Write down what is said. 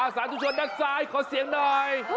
สาธุชนด้านซ้ายขอเสียงหน่อย